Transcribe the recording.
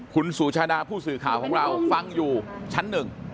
คุณสุชาดาผู้สื่อข่าวของเราฟังอยู่ชั้นหนึ่ง